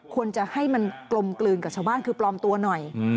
ควรจะให้มันกลมกลืนกับชาวบ้านคือปลอมตัวหน่อย